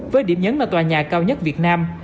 với điểm nhấn là tòa nhà cao nhất việt nam